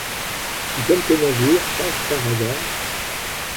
si quelque navire passe par hasard…